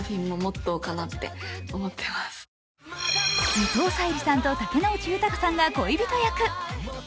伊藤沙莉さんと竹野内豊さんが恋人役。